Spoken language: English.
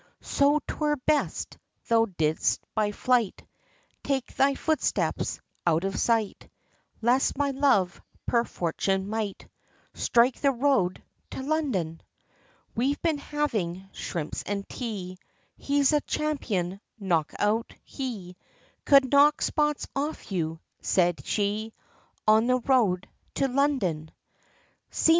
"So 'twere best, thou didst by flight, Take thy footsteps, out of sight, Lest my love, per fortune, might Strike the road, to London! "We've been having shrimps and tea, He's a champion knock out; He Could knock spots off you," said she, On the road, to London. "See!